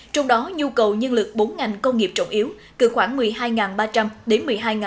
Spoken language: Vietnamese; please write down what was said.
trong đó nhu cầu nhân lực bốn ngành công nghiệp trọng yếu cần khoảng một mươi hai ba trăm linh đến một mươi hai năm trăm linh